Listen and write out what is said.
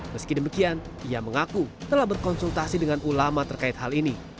meski demikian ia mengaku telah berkonsultasi dengan ulama terkait hal ini